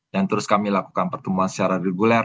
dan terus kami lakukan pertumbuhan secara reguler